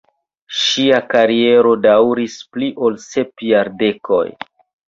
Ŝia kariero daŭris pli ol sep jardekoj.